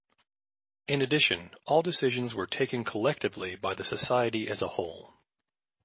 In addition, all decisions were taken collectively by the Society as a whole.